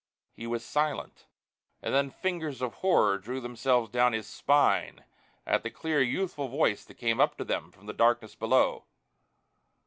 He was silent. And then fingers of horror drew themselves down his spine at the clear, youthful voice that came up to them from the darkness below.